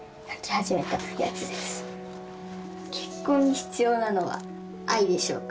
結婚に必要なのは愛でしょうか？